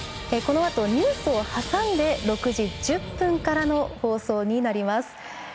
このあとニュースをはさんで６時１０分からの放送になります。